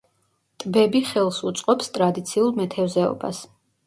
ტბები ხელს უწყობს ტრადიციულ მეთევზეობას.